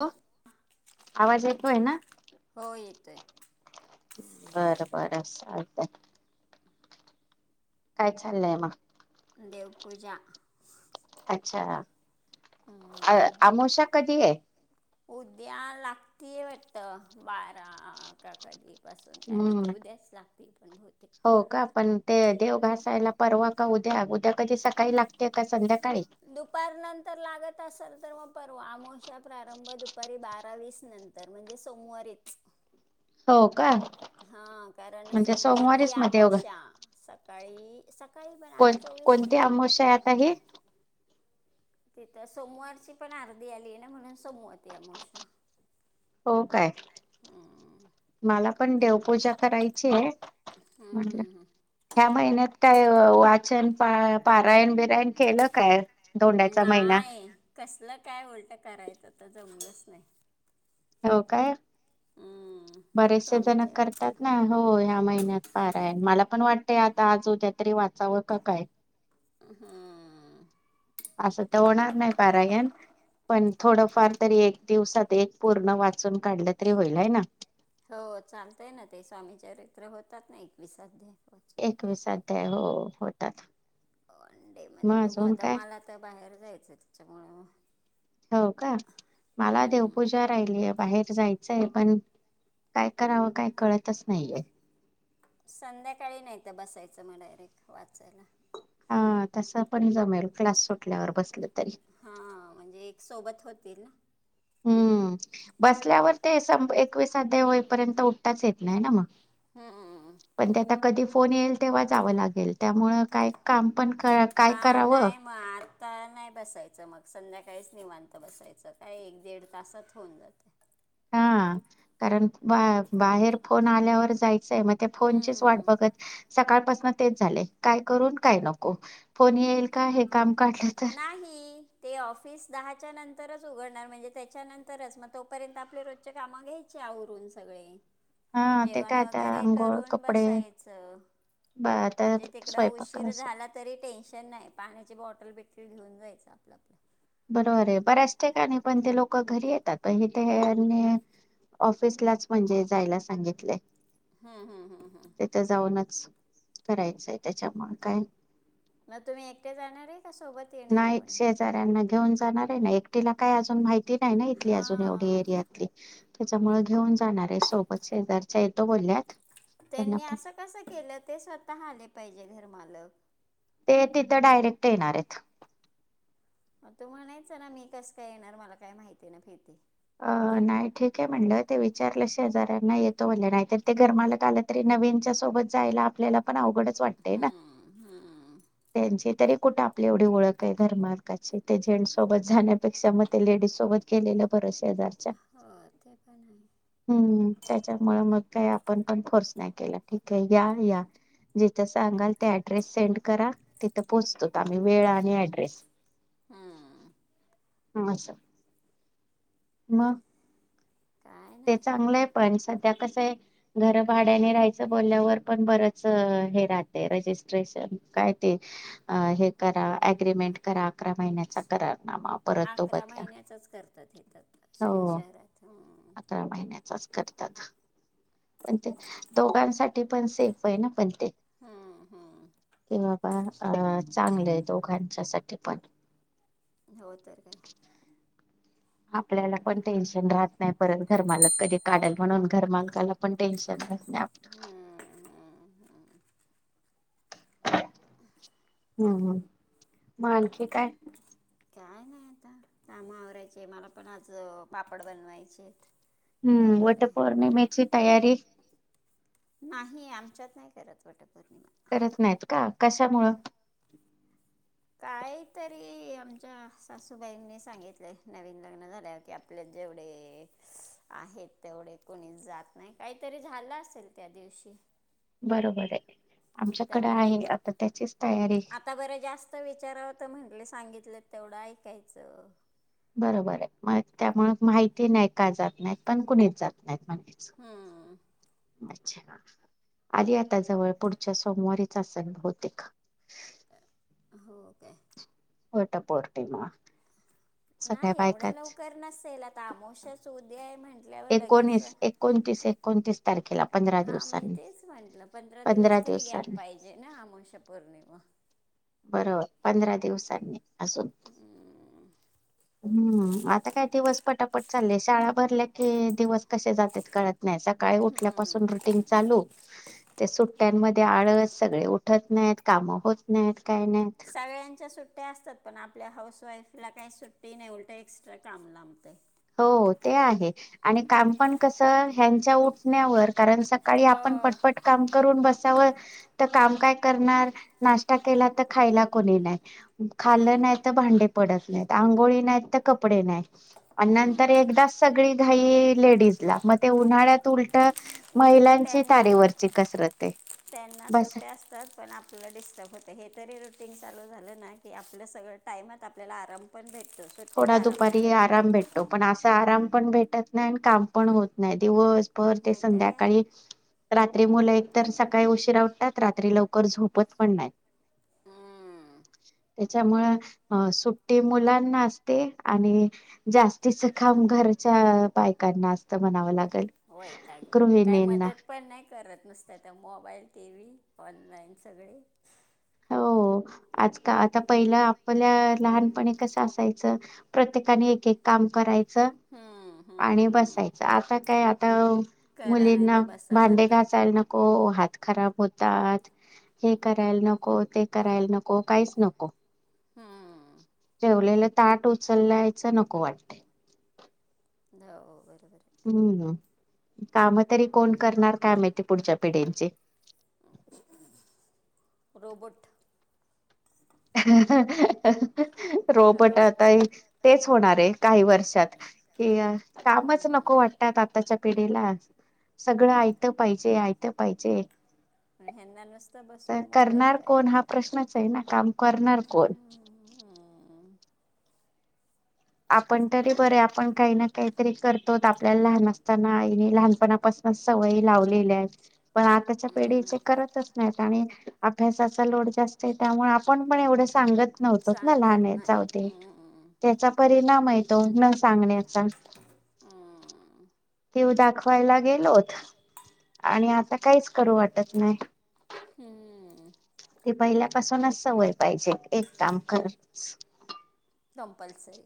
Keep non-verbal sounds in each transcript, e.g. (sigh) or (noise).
हो आवाज येतोय ना ते बर बर चालत काय चाललंय मग देवपूजा अच्छा अ हम्म. अमोशया कधी आहे उद्या लागतीय वाटत बारा काकाधी पासून काय माहिती हम्म उद्याच लाग हो का पण ते देव घासायला परवा का उ अग उद्या कधी सकाळी लागते का संध्याका दुपार नंतर लागत असाल तर मग परवा अमाोशा प्रारंभ दुपारी बारावीीस नंतर म्हणजे सोमवारीच हो का हा कारण म्हणजे सोमवती सोमवारीच मग देव घास अमावश्या सकाळी सकाळी पण कोण आठ चोवीस कोणते अमाश्या आता हे तिथं सोमवारची पण आरती आली आहे ना म्हणून सोमवत यामश हो काय मला आपण देवपूजा करायची हम्म, म्हणजे हम्म, हम्म. ह्या महिन्यात काय वाचन पारायण बिरायण केलं काय धोंड्याचा महिना तसलं काय होतं करायचं जमलंच नाही हो काय हम्म, बरेचसे स्वामी जण चरित्र करतात ना हो ह्या महिन्यात पारायण मला पण वाटत आता आज ऊद्या तरी वाचावं का काय हा असं तर होणार नाही पारायण पण थोडंफार तरी एक दिवसात एक पूर्ण वाचून काढलं तरी होईल आहे ना हो चालतय ना ते स्वामी चरित्र होतात ना एकविस अध्याय रोज. एकविस अध्याय ते हो होतात. वन डे मध्ये मग बघू अजून आता काय मला तर बाहेर जायचंय त्याच्यामुळ हो का मला हम्म. देवपूजा राहिलीय बाहेर जायचं आहे पण काय करावं काय कळतच नाहीेये. संध्याकाळी नाहीत बसायचं मग डायरेक्ट वाचायला हा तस पण जमेल क्लास सुटल्यावर बसल तरी हां म्हणजे एक सोबत होतील ना हूं बसल्यावर ते सं एकवीस अध्याय होईपर्यंत उठताच येत नाही ना म हम्म पण ते आता कधी फोन येईल तेव्हा जावं लागेल. त्यामुळ काय काम पण क काय हा करावं नाही मग आता नाही बसायचं मग संध्याकाळीच निवांत बसायचं काय एक दीड तासात होऊन जातय हा कारण बा बाहेर फोन आल्यावर जाय चंच म ते फोनचीच वाट हम्म. बघत सकाळपास म तेच झालंय काय करू न काय नको फोन येईल का हे काम काढलं तर नाही ते ऑफिस दहाच्या नं तरच उघडणार म्हणजे त्याच्यानंतरच मग तोपर्यंत आपले रोजचे कामं घ्यायचे आवरून सगळे हा ते जेवण काय आता वगैरे आंघोळ करून कपडे बसायचं बा आता म्हणजे तिकड स्वयंपाक उशीर असं झाला तरी टेन्शन नाय पाण्याची बॉटल बिटल ते घेऊन जायचं आपलं आपलं बरोबर ये बऱ्याच ठिकाणी पण ते लोक घरी येतात पण हित ह्यांनी ऑफिसलाच म्हणजे जायला सांगितलय. हूं हूं हूं हूं करायचंय त्याच्यामुळ काय मग तुम्ही एकटे जाणार ये नाही शेजाऱ्यांना घेऊन जाणार आहे ना एक टीला काय अजून माहित नाय ना इथली अजून एवढी हां एरियातली त्याच्यामुळ घेऊन जाणार आहे सोबत शेजारच्या तो बोलल्यात त्यांना त्यांनी पण असं कस केलं ते स्वतः आले पाहिजे. घर मालक ते तिथं डायरेक्ट येणार येत. म तू म्हणाय ना मी कस काय येणार मला काय माहिती ना फियती अ नाही ठीक आहे म्हटलं ते विचारलं शेजऱ्यांना येतो म्हले नाहीत ते घरमालक आलं तरी नवीनच्या सोबत जायला आपल्याला पण अवघडच वाटतय ना? हम्म, हम्म. तेचं तरी कुठे आपली एवढी ओळख आहे घर मालकाची ते जेंटस सोबत जाण्यापेक्षा मग ते लेडीज सोबत गेलेलं बर शेजारच्या हो ते पण आहे हम्म त्याच्यामुळ मग का आपण पण फोर्स नाही केला ठीके या या जिथ सांगाल ते ऍड्रेस सेंड करा तिथं पोहोचतो आम्ही वेळ आणि ऍड्रेस हम्म हशा म काय ते नाही चांगलंय पण सध्या कसं आहे घर भाड्याने राहायचं बोलल्यावर पण बरच हे राहते रजिस्ट्रेशन काय ते हे करा अग्रीमेंट करा अकरा महिन्याचा करा नामा परत तो बदला तथेत श हो शहरात अकरा महिन्याचाच करतात पण ते दोघांसाठी पण सेफ आहे ना पण ते हम्म, हम्म. कि बाबा अ चांगलं आहे दोघांच्या सा पण हो तर काय आपल्याला पण टेन्शन राहत नाही परत घरमालक कधी काढाल म्हणून घरमालकाला पण टेन्शन झा नाही आपलं हम्म, हम्म, हम्म. हम् हम मा आणखी काय काय नाही आता काम आवरायचे मला पण आज पापड बनवायचे हम्म जाणार वट आहे पौर्णिमेची तयारी नाही आमच्यात नाही करत वाटपूर्ण करत नाहीत का कशामुंळ काहीतरी आमच्या सासूबाईंनी सांगितलं नवीन लग्न झाल्यावर कि आपल्या जेवढे आहेत तेवढे कोणीच जात नाही काहीतरी झालं असेल त्या दिवशी बरोबर आहे आमच्याकडे त्यामु आहे आता त्याचीच तयारी आता बरं जास्त विचारात म्हंटले सांगितलं तेवढं ऐकायचं बरोबर आहे मग त्यामुळे माहिती नाही का जात नाहीत पण कुणीच जात नाहीत म्हणायच हम्म अच्छा आधी आता जवळ पुढच्या सोमवारीच असन होते का हो का वटपोर्टीमा नाही एवढं लवकर नसेसेल आता आमोशच ते म्हण म्हल्यावर लगेच एकोणीस एकोणतीस एकोणतीस तारखेला पंधरा हा मी दिवसांनी तेच म्हटलं पंधरा दिवस तरी गॅप पाहिजे ना अमाशा पौर्णिमा बरोबर पंधरा दिवसांनी अस हम्म. हम्म आता काय दिवस पटापट चाले शाळा भरल्या की दिवस कसे जातात गळात सकाळी उठल्या पाासून हम्म. रुटिंग चालू सुट ते आळण सगळे उठत नाहीत कामं होत नाहीत. काय नाहीत सगळ्यांच्या सुट् सुट्ट्या असतात पण आपल्या हाऊसवाईफला काय सुट्टी नाही उलटं एक्स्ट्रा काम लांबतयं हो ते आहे आणि काम पण कस ह्यांच्या उठण्यावर कारण सकाळी आपण हो पटपट काम करून बसावं तर काम काय करणार नाश्ता केला तर खायला कोणी नाही. खालं नाही हम्म. तर भांडे पडत नाहीत. आंघोळी नाहीत तर कपडे नाही. (unintelligible) आणि नंतर हम्म. एकदाच सगळी लेडीजला मग ते उन्हाळ्यात उल उलट त्यां कसरत आहे त्यांना बस सुट्या असतात पण आपलं डिस्टर्ब होत हे तरी चालू झालं ना की आपलं सगळ टाईमात आपल्याला आराम पण भे थोडा दुपारी आराम भेटतो, पण असा आराम. पण भेटत नाही, आणि काम पण होत नाही, दिवस. भर ते नाही तर काय संध्याकाळी रात्री मुल एक तर सकाळी उशीरा उटतात, रात्री लवकर झोपत पण नाहीत. हम्म, हम (unintelligible) त्याच्यामुळ सुट्टी मुलांना असते. ते आणि जास्तीच काम घरच्या बायकांना असत म्हनावं लागत. वैताग, काय मदत पण नाही करत, नुसत तो मोबाईल. टीव्ही ऑनलाईन सगळे. हो आज आता पहिलं आपल्या लहानपणी कसं असायचं प्रत्येकाने एक-एक काम करायचं. च हम्म, हम्म, आणि हम्म. बसायचं आता काय आ करा नाही मुलींना तर बसा भांडे म्हणतात घासायल नको हात. खराब होतात हे करायला नको. ना, ते करायला नको, काहीच नको. हम्म. जेवलेलं ताट उचललायच नको वाटतय. लई अवघड. (unintelligible) कामं तरी कोण करणार काय माहिती पुढच्या पिढीचे. रोबोट. हा...... ह.. रोबट आता रोबोटिक हे तेच होणार आहे, काही वर्षात कि अ कामच हम्म. नको वाटतात आत्ताच्या पिढीला. सगळं आयातं पाहिजे, आयतं पाहिजे. ह्यांना नुसत तर बसून मोबाईल करणार कोण पायला. हा प्रश्नच आहे ना काम करणार कोण? आपण तरी बरे आपण काही ना काहीतरी करतो त आपल्याल लहान असताना आईने लहानपणापासूनच सवयी लावलेल्या हेत पण आताच्या पिढीचे करतच नाहीत आणि अभ्यासाचा लोड जास्त हे त्यामुळे आपण पण एवढं सांगत नव्हतो त ना, सांगत लहान हेत नाही जाऊदे हम्म त्याचा नाम हे तो न सांगण्याचा. हम्म तू दाखवायला गेलोत आणि आता काहीच करू वाटत नाय. हम्म. ते पहिल्यापासूनच सवय पाहिजे एक काम करच. कंपलसरी.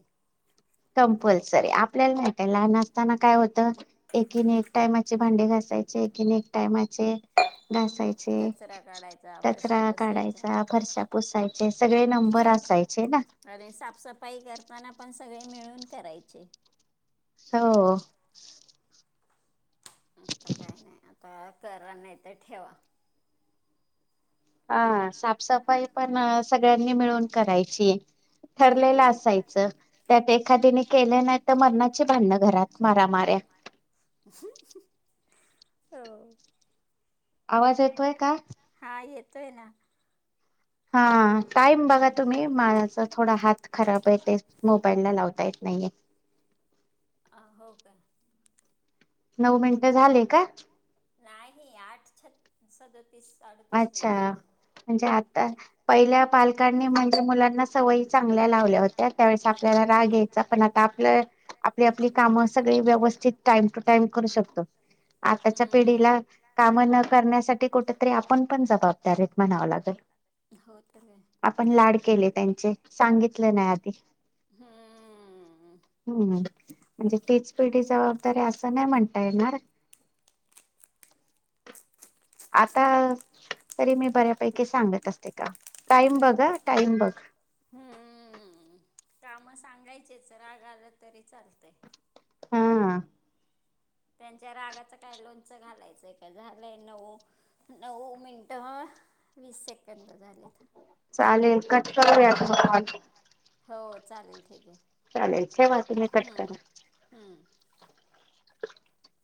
कम्पल्सरी आपल्याल नाही का लहान असताना काय होतं एकीने एक टायमाचे भांडे घासायचे एकीने एक टायमाचे घासायचे कचरा काढायचा फरशा कचरा काढायचा फरच्या पुसायच्या - अरे साफसफाई करताना पण सगळे मिळून करायचे. स होओ. आता काय नाय आता करा नाय त ठेवा. अ साफसफाई पण अ सगळ्यांनी मिळून करायची. ठरलेलं हम्म असायचं त्या ते खादीने केलं नायत त मरणाचे भांडणं घरात मारामाऱ्या. हो. आवाज येतोय का? हा येतोय ना. हा टाईम बघा तुम्ही माझा थोडा हात खराब हेे ते मोबाईलला लावता येत नाहीये. अ हो का? नऊ मिनट झाले का? नाही आठ छतीस सदतीस अडतीस अच्छा मिनिटं झाली म्हणजे आता पै आपल्या पालकांनी म्हणजे मुलांना सवयी चांगल्या लावल्या होत्या. त्यावेळेस आपल्याला राग यायचा. पण आता आप आपली काम सगळी व्यवस्थित टाईम टू टाईम करू शकतो आताच्या पिढीला हम्म काम न करण्यासाठी कुठ तरी आपण पण जबाबदारीत म्हणाव लागेल हो तर काय आपण लाड केले त्यांचे सांगितले नाही आधी हम्म, म्हणजे तीच पिढी जबाबदारी असं नाही म्हणता येणार आता तरी मी बऱ्यापैकी सांगत असते का टाईम बघा, टाईम बघ हम्म काम सांगायचेच राग आला तरी चालतय हा त्यांच्या रागाच काय लोणच घालायचंय का झालंय नऊ- नऊ मिनट वीस सेकंद झाले चालेल कट करूया मग कॉल हो चालेल ठीक आहे चालेल ठेवा तुम्ही कट हम्म, करा हम्म. (unintelligible)